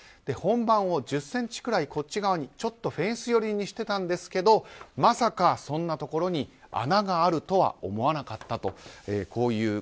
本番を１０ｃｍくらこっち側にちょっとフェンス寄りにしてたんですけどまさかそんなところに穴があるとは思わなかった。